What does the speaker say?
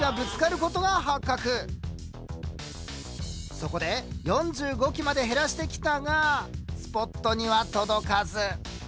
そこで４５機まで減らしてきたがスポットには届かず。